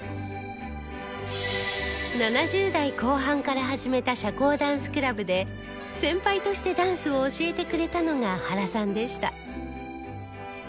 ７０代後半から始めた社交ダンスクラブで先輩としてダンスを教えてくれたのが原さんでした